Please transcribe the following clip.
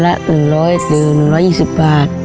ได้ประมาณวันละ๑๐๐อย่างนึง๑๒๐บาท